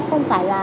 đó không phải là